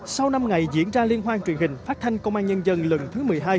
sau năm ngày diễn ra liên hoan truyền hình phát thanh công an nhân dân lần thứ một mươi hai